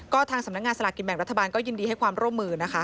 ก็ทางสำนักงานสลากกินแบ่งรัฐบาลก็ยินดีให้ความร่วมมือนะคะ